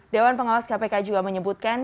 dewan pengawas kpk juga menyebutkan